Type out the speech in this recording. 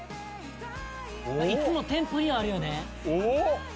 いつも店舗にはあるよね。